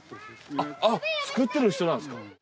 作っている人なんですか。